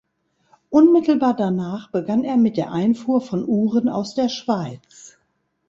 Unmittelbar danach begann er mit der Einfuhr von Uhren aus der Schweiz.